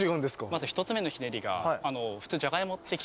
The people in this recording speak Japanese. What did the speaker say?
まず１つ目のひねりが。